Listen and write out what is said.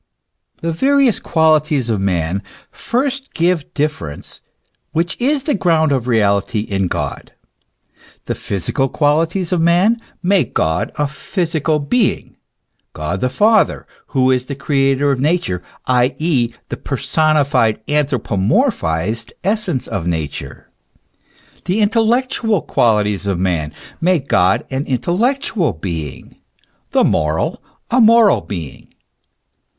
The various qualities of man first give difference, which is the ground of reality in God. The physical qualities of man make God a physical being God the Father, who is the creator of Nature, i. e., the per sonified, anthropomorphized essence of Nature;* the intel lectual qualities of man make God an intellectual being, the moral, a moral being.